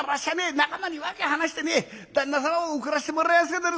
仲間に訳話してね旦那様を送らせてもらいますけどね